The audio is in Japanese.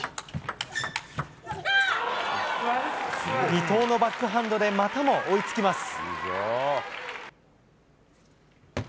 伊藤のバックハンドでまたも追いつきます。